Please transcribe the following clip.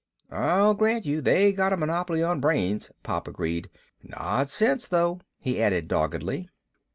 "I'll grant you they got a monopoly of brains," Pop agreed. "Not sense, though," he added doggedly.